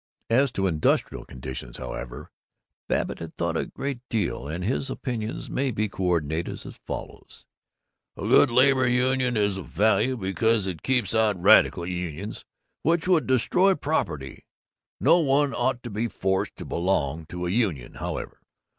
As to industrial conditions, however, Babbitt had thought a great deal, and his opinions may be coordinated as follows: "A good labor union is of value because it keeps out radical unions, which would destroy property. No one ought to be forced to belong to a union, however.